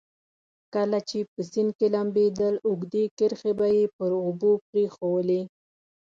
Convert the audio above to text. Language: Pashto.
کله چې په سیند کې لمبېدل اوږدې کرښې به یې پر اوبو پرېښوولې.